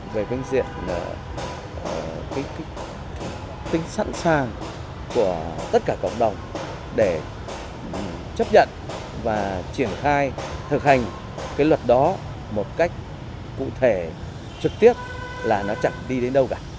về cái diện tính sẵn sàng của tất cả cộng đồng để chấp nhận và triển khai thực hành cái luật đó một cách cụ thể trực tiếp là nó chặn đi đến đâu cả